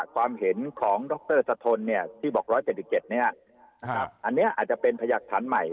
ความเห็นของดรสะทนที่บอก๑๗๗อันนี้อาจจะเป็นพยากฐานใหม่